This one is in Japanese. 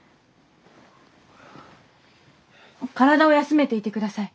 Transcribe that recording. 体を休めていて下さい。